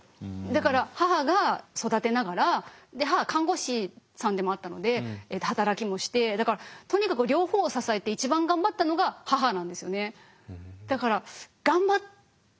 だから母が育てながら母は看護師さんでもあったので働きもしてだからとにかく両方を支えて一番頑張ったのが母なんですよね。